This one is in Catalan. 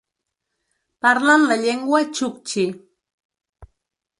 Parlen la llengua txuktxi.